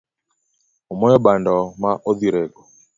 Omoyo bando ma odhi rego